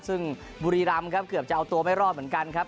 ซึ่งบุรีรำครับเกือบจะเอาตัวไม่รอดเหมือนกันครับ